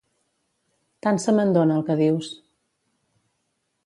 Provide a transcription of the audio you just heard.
Tant se me'n dona el que dius.